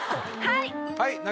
はい！